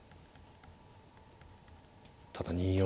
ただ２四